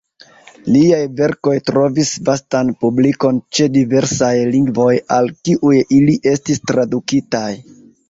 Liaj verkoj trovis vastan publikon ĉe diversaj lingvoj al kiuj ili estis tradukitaj.